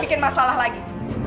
dibikin masalah lagi